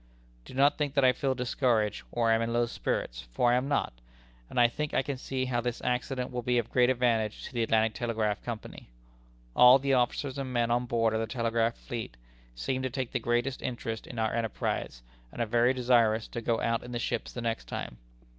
"Do not think that I feel discouraged, or am in low spirits, for I am not; and I think I can see how this accident will be of great advantage to the Atlantic Telegraph Company. "All the officers and men on board of the Telegraph Fleet, seem to take the greatest interest in our enterprise, and are very desirous to go out in the ships the next time.